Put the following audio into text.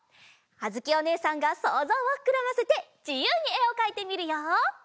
あづきおねえさんがそうぞうをふくらませてじゆうにえをかいてみるよ！